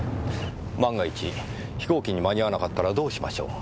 万が一飛行機に間に合わなかったらどうしましょう？